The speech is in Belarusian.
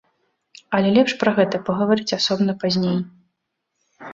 Але лепш пра гэта пагаварыць асобна пазней.